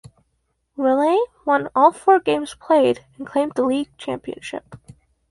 Raleigh won all four games played and claimed the league championship.